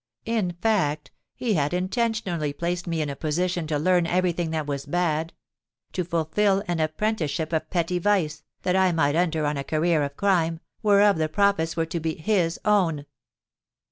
In fact, he had intentionally placed me in a position to learn everything that was bad—to fulfil an apprenticeship of petty vice, that I might enter on a career of crime, whereof the profits were to be his own!